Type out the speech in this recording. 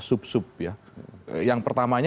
sub sub ya yang pertamanya